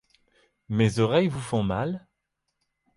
Mes oreilles vous font mal ?